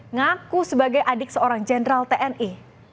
ngaku sebagai adik seorang jenderal tni